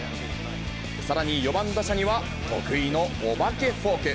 さらに、４番打者には得意のお化けフォーク。